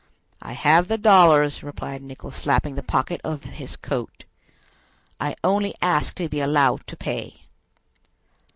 "I have the dollars," replied Nicholl, slapping the pocket of this coat. "I only ask to be allowed to pay."